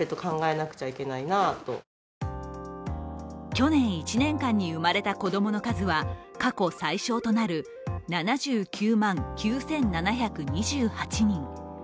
去年１年間に生まれた子供の数は過去最少となる７９万９７２８人。